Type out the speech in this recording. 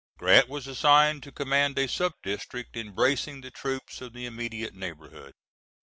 Grant was assigned to command a sub district embracing the troops of the immediate neighborhood.